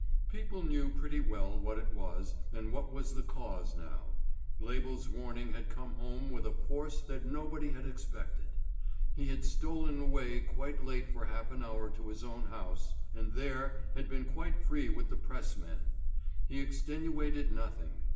People knew pretty well what it was and what was the cause now. Label's warning had come home with a force that nobody had expected. He had stolen away quite late for half an hour to his own house and there had been quite free with the pressmen. He extenuated nothing.